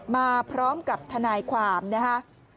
มาพร้อมกับทนายความนะฮะ